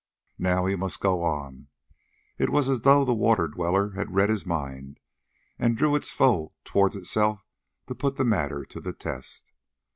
Now he must go on. It was as though the Water Dweller had read his mind, and drew its foe towards itself to put the matter to the test.